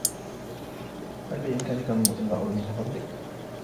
هل بإمكانك الإمضاء من فضلك؟